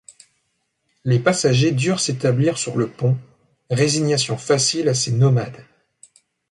Les passagers durent s’établir sur le pont ; résignation facile à ces nomades.